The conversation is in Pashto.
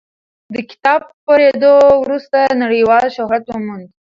د کتاب خپرېدو وروسته نړیوال شهرت وموند.